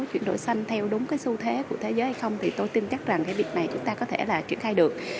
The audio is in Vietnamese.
chuyển đổi xanh theo đúng cái xu thế của thế giới hay không thì tôi tin chắc rằng cái việc này chúng ta có thể là triển khai được